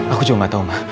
aku juga gak tahu ma